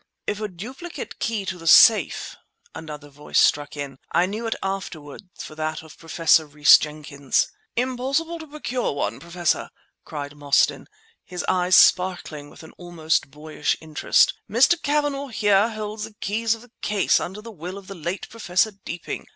"If a duplicate key to the safe—" another voice struck in; I knew it afterward for that of Professor Rhys Jenkyns. "Impossible to procure one, Professor," cried Mostyn, his eyes sparkling with an almost boyish interest. "Mr. Cavanagh here holds the keys of the case, under the will of the late Professor Deeping.